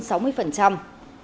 của các bạn đại gia đình